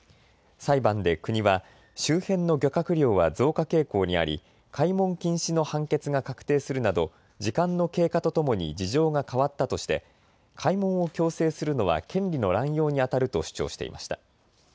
裁判で国は周辺の漁獲量は増加傾向にあり開門禁止の判決が確定するなど時間の経過とともに事情が変わったとして開門を強制するのは権利の乱用にあたると主張していました。